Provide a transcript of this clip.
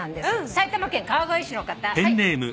埼玉県川越市の方。